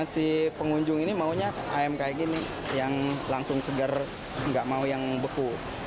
si pengunjung ini maunya ayam kayak gini yang langsung segar nggak mau yang beku